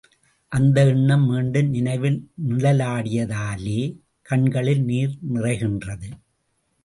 அந்த எண்ணம் மீண்டும் நினைவில் நிழலாடியதாலே கண்களில் நீர் நிறைகின்றது.